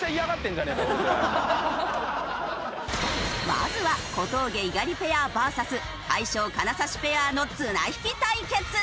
まずは小峠猪狩ペアＶＳ大昇金指ペアの綱引き対決！